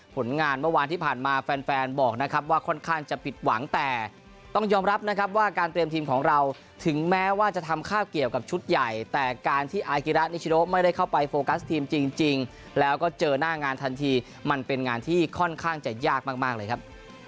ผลงานเมื่อวานที่ผ่านมาแฟนบอกนะครับว่าค่อนข้างจะผิดหวังแต่ต้องยอมรับนะครับว่าการเตรียมทีมของเราถึงแม้ว่าจะทำข้าวเกี่ยวกับชุดใหญ่แต่การที่อากิระนิชโนไม่ได้เข้าไปโฟกัสทีมจริงแล้วก็เจอหน้างานทันทีมันเป็นงานที่ค่อนข้างจะยากมากเลยครับ